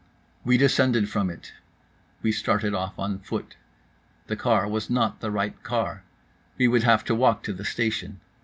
We descended from it. We started off on foot. The car was not the right car. We would have to walk to the station.